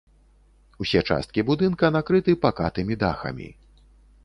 Усе часткі будынка накрыты пакатымі дахамі.